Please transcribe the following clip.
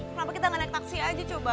kenapa kita tidak naik taksi saja coba